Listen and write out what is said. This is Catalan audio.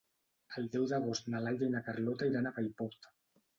El deu d'agost na Laia i na Carlota iran a Paiporta.